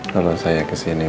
kalau saya ke sini